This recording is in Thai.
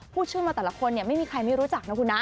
พูดชื่อมาแต่ละคนเนี่ยไม่มีใครไม่รู้จักนะคุณนะ